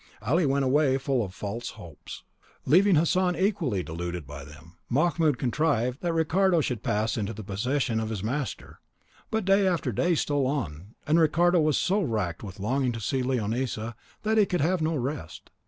Ali went away full of false hopes, leaving Hassan equally deluded by them. Mahmoud contrived that Ricardo should pass into the possession of his master; but day after day stole on, and Ricardo was so racked with longing to see Leonisa, that he could have no rest.